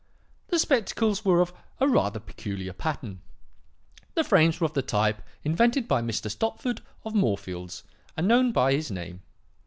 "The spectacles were of a rather peculiar pattern. The frames were of the type invented by Mr. Stopford of Moorfields and known by his name.